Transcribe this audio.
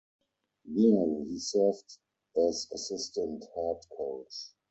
There, he served as assistant head coach.